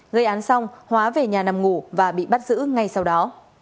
gây án xong hóa về nhà nằm ngủ và bị bắt giữ ngay sau đó